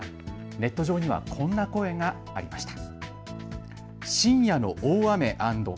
ネット上にはこんな声がありました。